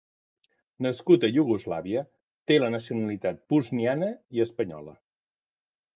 Nascut a Iugoslàvia, té la nacionalitat bosniana i espanyola.